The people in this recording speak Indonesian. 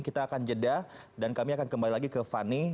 kita akan jeda dan kami akan kembali lagi ke fani